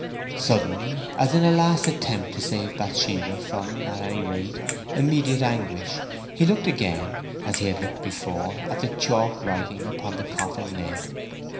Suddenly, as in a last attempt to save Bathsheba from, at any rate, immediate anguish, he looked again, as he had looked before, at the chalk writing upon the coffin lid.